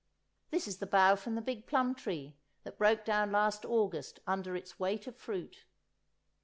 This is the bough from the big plum tree that broke down last August under its weight of fruit.